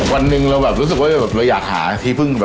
วันหนึ่งเราแบบรู้สึกว่าเราอยากหาที่พึ่งแบบ